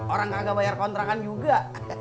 orang kagak bayar kontrakan juga